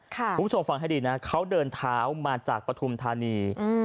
คุณผู้ชมฟังให้ดีนะเขาเดินเท้ามาจากปฐุมธานี